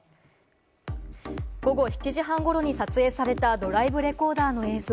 午後７時半ごろに撮影されたドライブレコーダーの映像。